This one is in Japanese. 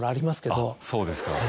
あっそうですか。